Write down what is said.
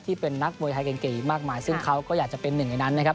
ที่เป็นนักมวยไทยเก่งอีกมากมายซึ่งเขาก็อยากจะเป็นหนึ่งในนั้นนะครับ